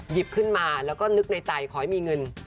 หยิบขึ้นมาแล้วก็นึกในใจขอให้มีเงิน